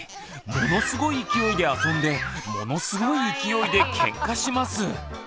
ものすごい勢いで遊んでものすごい勢いでケンカします。